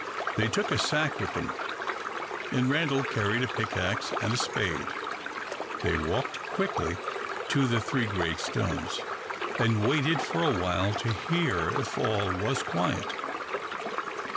They took a sack with them, and Randal carried a pickaxe and a spade. They walked quickly to the three great stones, and waited for a while to hear if all was quiet.